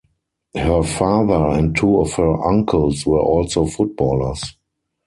Her father and two of her uncles were also footballers.